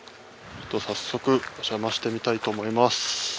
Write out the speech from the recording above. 早速おじゃましてみたいと思います。